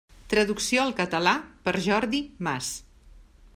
Traducció al català per Jordi Mas.